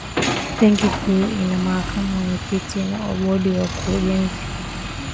benki kuu ina makamu mwenyekiti wa bodi ya wakurugenzi